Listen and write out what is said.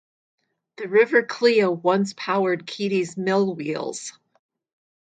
The river Clea once powered Keady's millwheels.